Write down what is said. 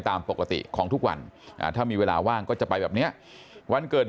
ตามปกติของทุกวันถ้ามีเวลาว่างก็จะไปแบบนี้วันเกิดเหตุ